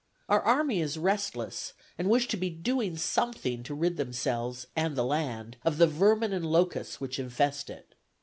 Our army is restless, and wish to be doing something to rid themselves and the land of the vermin and locusts which infest it.